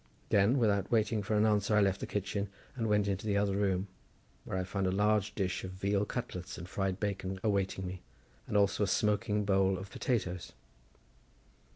Then without waiting for an answer I left the kitchen and went into the other room, where I found a large dish of veal cutlets and fried bacon awaiting me, and also a smoking bowl of potatoes.